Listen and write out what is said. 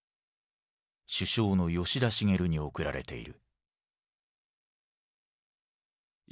首相の吉田茂に送られている。